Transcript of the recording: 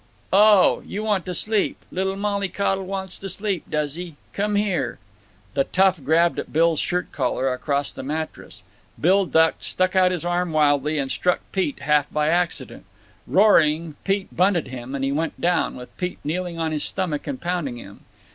"Oh! You want to sleep. Little mollycoddle wants to sleep, does he? Come here!" The tough grabbed at Bill's shirt collar across the mattress. Bill ducked, stuck out his arm wildly, and struck Pete, half by accident. Roaring, Pete bunted him, and he went down, with Pete kneeling on his stomach and pounding him.